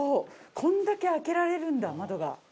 これだけ開けられるんだ窓が。